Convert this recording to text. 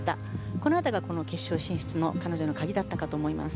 この辺りが決勝進出の彼女の鍵だったと思います。